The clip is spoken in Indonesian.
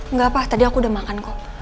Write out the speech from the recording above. enggak apa tadi aku udah makan kok